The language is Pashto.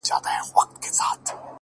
ماخو ستا غمونه ځوروي گلي !!